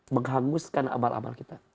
menghanguskan amal amal kita